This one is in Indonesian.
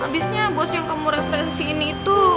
habisnya bos yang kamu referensiin itu